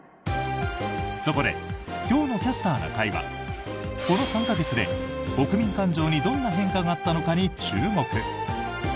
そこで今日の「キャスターな会」はこの３か月で国民感情にどんな変化があったのかに注目。